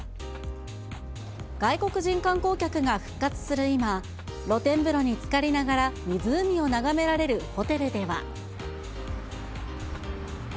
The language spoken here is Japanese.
外国人観光客が復活する今、露天風呂につかりながら、湖を眺められるホテルでは。